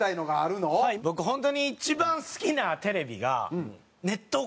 僕本当に一番好きなテレビが。